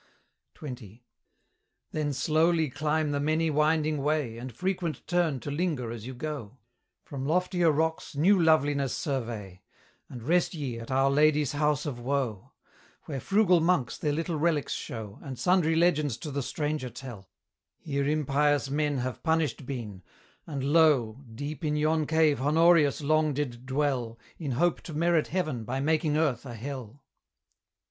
XX. Then slowly climb the many winding way, And frequent turn to linger as you go, From loftier rocks new loveliness survey, And rest ye at 'Our Lady's House of Woe;' Where frugal monks their little relics show, And sundry legends to the stranger tell: Here impious men have punished been; and lo, Deep in yon cave Honorius long did dwell, In hope to merit Heaven by making earth a Hell.